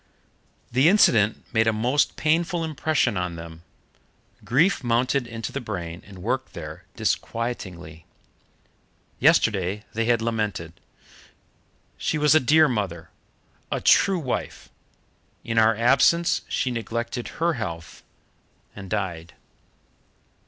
The incident made a most painful impression on them. Grief mounted into the brain and worked there disquietingly. Yesterday they had lamented: "She was a dear mother, a true wife: in our absence she neglected her health and died."